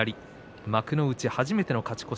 幕内初めての勝ち越し